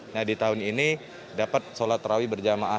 nah di tahun ini dapat sholat rawih berjamaah